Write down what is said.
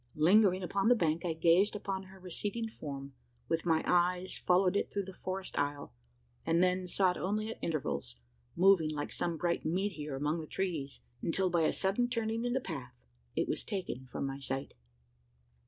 Lingering upon the bank, I gazed upon her receding form with my eyes, followed it through the forest aisle; and then, saw it only at intervals moving like some bright meteor among the trees until by a sudden turning in the path, it was taken from my sight.